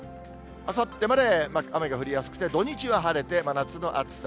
あさってまで雨が降りやすくて、土日は晴れて、真夏の暑さ。